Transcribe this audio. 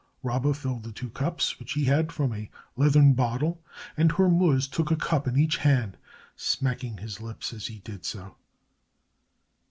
Rabba filled the two cups which he had from a leathern bottle, and Hormuz took a cup in each hand, smacking his lips as he did so.